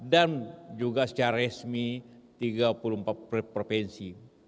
dan juga secara resmi tiga puluh empat provinsi